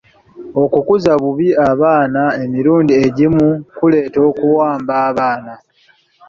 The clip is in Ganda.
Okukuza obubi abaana emirundi egimu kuleetera okuwamba abaana.